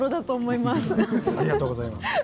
ありがとうございます。